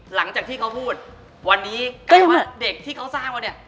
หลังจากที่เขาพูดวันนี้กลายว่าเด็กที่เขาสร้างมาเนี่ย